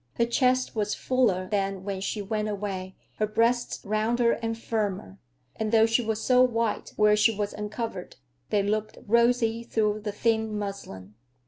Her chest was fuller than when she went away, her breasts rounder and firmer, and though she was so white where she was uncovered, they looked rosy through the thin muslin.